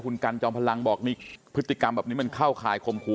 คุณกัลจอมพลังบอกจะมาให้ลบคลิปได้อย่างไร